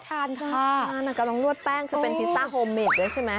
นั่นกำลังนวดแป้งคือเป็นพิซซ่าโฮเมดด้วยใช่ไหม